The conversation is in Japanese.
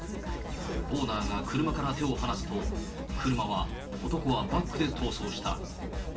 オーナーが車から手を離すと、車は、男はバックで逃走した。